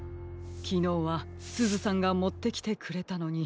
きのうはすずさんがもってきてくれたのに。